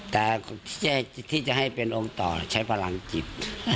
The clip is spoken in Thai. แต่ที่จะให้เป็นองค์ต่อใช้พลังจิต